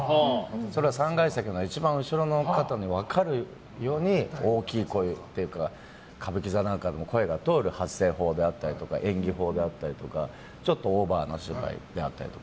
それは３階席の一番後ろの方にも分かるように大きい声というか歌舞伎座なんかでも声が通る発声法や演技法であったりとかちょっとオーバーなお芝居であったりとか。